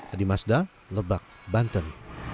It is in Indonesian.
adi masda lebak banten